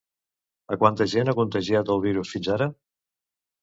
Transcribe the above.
A quanta gent ha contagiat el virus fins ara?